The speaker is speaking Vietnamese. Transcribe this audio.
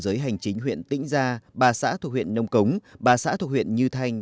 giới hành chính huyện tĩnh gia bà xã thuộc huyện nông cống bà xã thuộc huyện như thanh